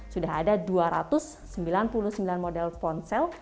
sudah ada dua ratus sembilan puluh sembilan model ponsel